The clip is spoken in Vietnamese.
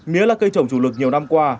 mía là cây trồng chủ lực nhiều năm qua